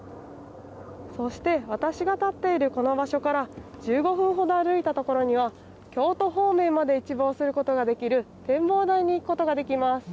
そして私が立っているこの場所から１５分ほど歩いた所には京都方面まで一望することができる展望台に行くことができます。